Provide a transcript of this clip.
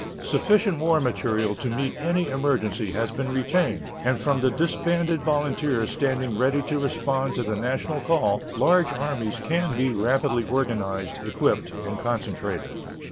Sufficient war material to meet any emergency has been retained, and from the disbanded volunteers standing ready to respond to the national call large armies can be rapidly organized, equipped, and concentrated.